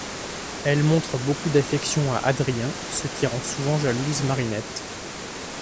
Elle montre beaucoup d'affection à Adrien, ce qui rend souvent jalouse Marinette.